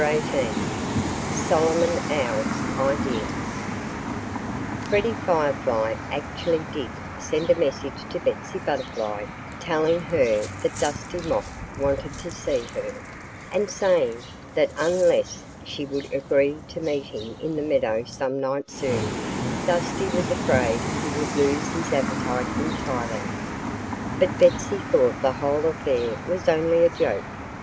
XVIII SOLOMON OWL'S IDEA FREDDIE FIREFLY actually did send a message to Betsy Butterfly, telling her that Dusty Moth wanted to see her, and saying that unless she would agree to meet him in the meadow some night soon, Dusty was afraid he would lose his appetite entirely. But Betsy thought the whole affair was only a joke.